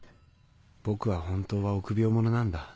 僕は本当は臆病者なんだ。